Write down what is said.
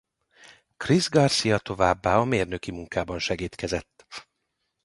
Chris Garcia továbbá a mérnöki munkában segédkezett.